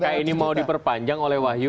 apakah ini mau diperpanjang oleh wahyu